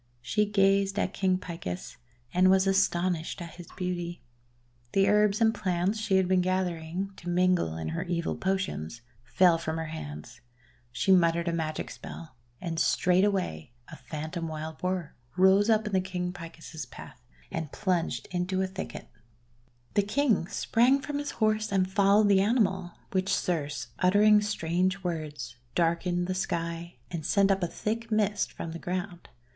She gazed at King Picus and was astonished at his beauty. The herbs and plants she had been gathering, to mingle in her evil potions, fell from her hands. She muttered a magic spell, and straightway a phantom Wild Boar rose up in King Picus' path, and plunged into a thicket. 88 THE WONDER GARDEN The King sprang from his horse and followed the animal; while Circe, uttering strange words, darkened the Sky and sent up a thick mist from the ground.